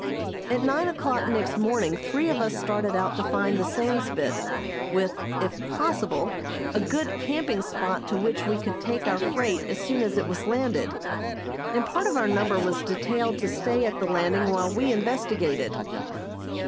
At nine o'clock next morning three of us started out to find the Sandspit, with, if possible, a good camping spot to which we could take our freight as soon as it was landed, and part of our number was detailed to stay at the landing while we investigated.